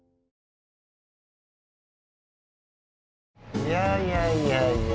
いやいやいやいや。